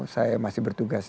saya masih bertugas